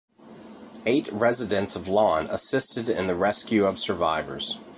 Eight residents of Lawn assisted in the rescue of survivors.